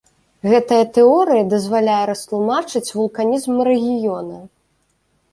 Гэтая тэорыя дазваляе растлумачыць вулканізм рэгіёна.